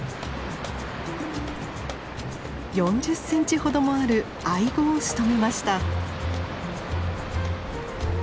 ４０センチほどもあるアイゴをしとめました。